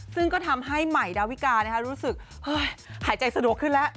ซึ่งก็ทำให้ใหม่ดาวิการู้สึกหายใจสะดวกขึ้นแล้ว